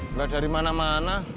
enggak dari mana mana